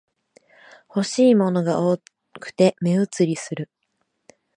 欲しいものが多くて目移りする